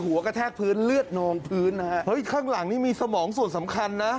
กระแทกพื้นเลือดนองพื้นนะฮะเฮ้ยข้างหลังนี่มีสมองส่วนสำคัญนะ